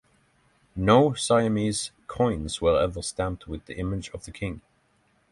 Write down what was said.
No Siamese coins were ever stamped with the image of the king.